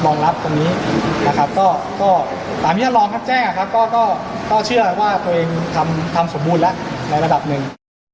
รองรับตรงนี้นะครับก็ตามนี้รองครับแจ้งนะครับก็เชื่อว่าตัวเองทำสมบูรณ์ละในระดับนึง